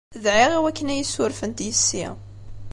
Dɛiɣ i wakken ad iyi-ssurfent yessi.